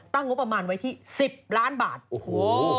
งบประมาณไว้ที่๑๐ล้านบาทโอ้โห